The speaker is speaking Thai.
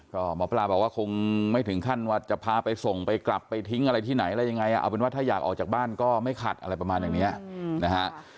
ก็หมอปลาบอกว่าคงไม่ถึงขั้นว่าจะพาไปส่งไปกลับไปทิ้งอะไรที่ไหนอะไรยังไงเอาเป็นว่าถ้าอยากออกจากบ้านก็ไม่ขัดอะไรประมาณอย่างนี้นะฮะ